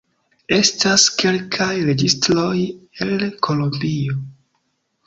Estas kelkaj registroj el Kolombio.